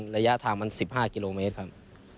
ระยะทางมัน๑๕กิโลเมตรครับ